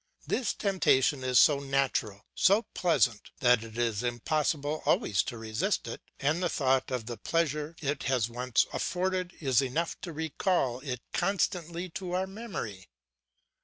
This temptation is so natural, so pleasant, that it is impossible always to resist it; and the thought of the pleasure it has once afforded is enough to recall it constantly to our memory.